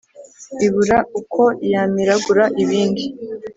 Ibura uko yamiragura ibindi,